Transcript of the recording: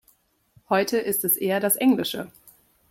Heute ist es eher das Englische.